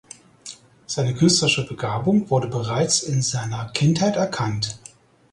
Seine künstlerische Begabung wurde bereits in seiner Kindheit erkannt.